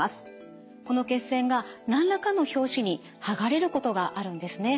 この血栓が何らかの拍子に剥がれることがあるんですね。